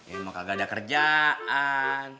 emang kagak ada kerjaan